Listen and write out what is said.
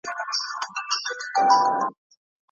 دوی به د غوښتنو د کنټرول لپاره له بې ځایه غوښتنو ډډه کوله.